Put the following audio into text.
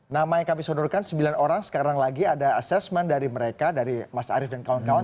nama yang kami sonorkan sembilan orang sekarang lagi ada assessment dari mereka dari mas arief dan kawan kawan